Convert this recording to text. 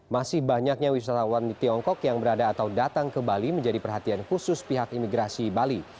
masih banyaknya wisatawan di tiongkok yang berada atau datang ke bali menjadi perhatian khusus pihak imigrasi bali